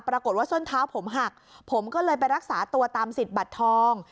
ปรากฏว่าส้นเท้าผมหักผมก็เลยไปรักษาตัวตามสิทธิ์บัตรทอง